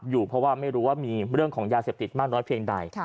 อยู่เพราะว่าไม่รู้ว่ามีเรื่องของยาเสพติดมากน้อยเพียงใด